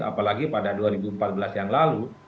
apalagi pada dua ribu empat belas yang lalu